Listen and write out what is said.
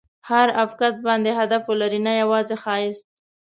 هر افکت باید هدف ولري، نه یوازې ښایست.